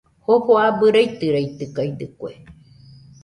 Jofo abɨ raitɨraitɨkaɨdɨkue.